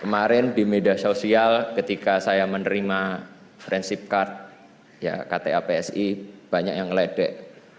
kemarin di media sosial ketika saya menerima friendship card kta psi banyak yang meledek